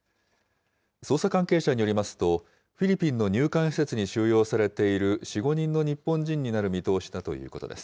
捜査関係者によりますと、フィリピンの入管施設に収容されている４、５人の日本人になる見通しだということです。